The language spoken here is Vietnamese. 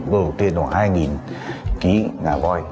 vừa có tên là hai ký ngà voi